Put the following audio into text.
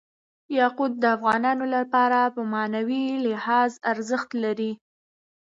یاقوت د افغانانو لپاره په معنوي لحاظ ارزښت لري.